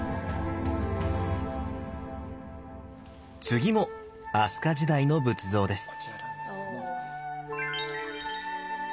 次も飛鳥時代の仏像です。